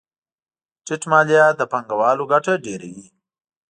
ټیټ مالیات د پانګوالو ګټه ډېروي.